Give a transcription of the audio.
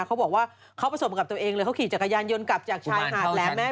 เขาบอกว่าเขาประสบกับตัวเองเลยเขาขี่จักรยานยนต์กลับจากชายหาดแหลมแม่